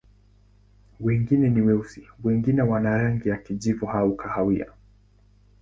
Wengine ni weusi, wengine wana rangi ya kijivu au kahawia.